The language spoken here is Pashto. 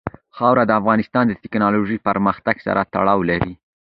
خاوره د افغانستان د تکنالوژۍ پرمختګ سره تړاو لري.